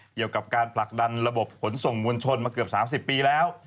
เกี่ยวกับการผลักดันระบบขนส่งมวลชนมาเกือบ๓๐ปีแล้ว